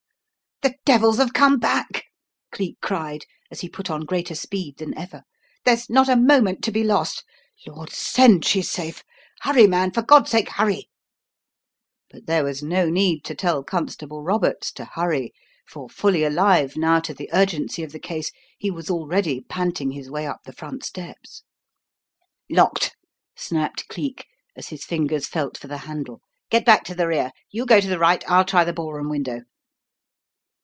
"The devils have come back!" Cleek cried as he put on greater speed than ever. " There's not a mo ment to be lost. Lord send she's safe. Hurry, man, for God's sake, hurry! " But there was no need to tell Constable Roberts to " hurry ," for fully alive now to the urgency of the case he was already panting his way up the front steps. "Locked," snapped Cleek as his fingers felt for the handle. " Get back to the rear. You go to the right. I'll try the ball room window."